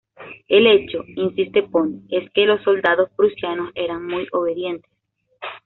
El hecho, insiste Pond, es que los soldados prusianos eran muy obedientes.